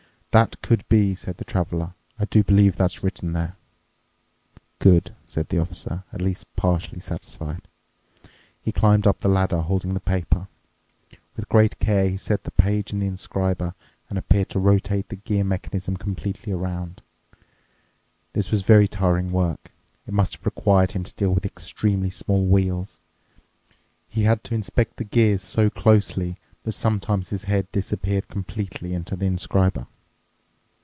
"That could be," said the Traveler. "I do believe that's written there." "Good," said the Officer, at least partially satisfied. He climbed up the ladder, holding the paper. With great care he set the page in the inscriber and appeared to rotate the gear mechanism completely around. This was very tiring work. It must have required him to deal with extremely small wheels. He had to inspect the gears so closely that sometimes his head disappeared completely into the inscriber.